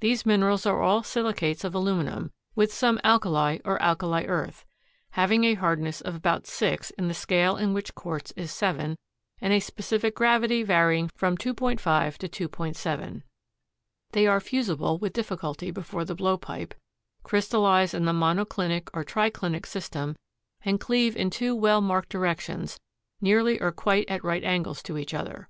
These minerals are all silicates of aluminum, with some alkali or alkali earth, having a hardness of about 6 in the scale in which quartz is 7 and a specific gravity varying from 2.5 to 2.7. They are fusible with difficulty before the blowpipe, crystallize in the monoclinic or triclinic system and cleave in two well marked directions nearly or quite at right angles to each other.